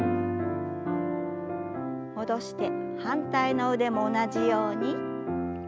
戻して反対の腕も同じように。